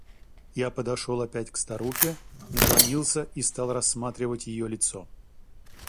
Я подошел опять к старухе, наклонился и стал рассматривать ее лицо.